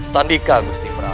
sandika agusti prabu